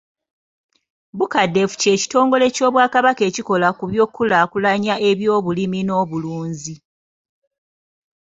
Bucadef kye kitongole ky’Obwakabaka ekikola ku by’okukulaakulanya ebyobulimi n’obulunzi.